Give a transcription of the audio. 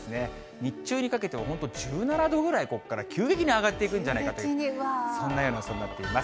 日中にかけては本当、１７度ぐらいここから急激に上がっていくんじゃないかと、そんなような予想になっています。